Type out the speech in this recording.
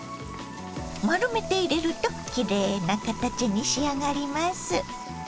丸めて入れるときれいな形に仕上がります。